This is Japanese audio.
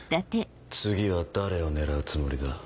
次は誰を狙うつもりだ？